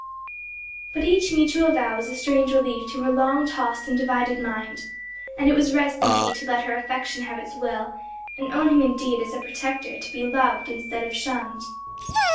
But each mutual vow was a strange relief to her long tossed and divided mind, and it was rest indeed to let her affection have its will, and own him indeed as a protector to be loved instead of shunned.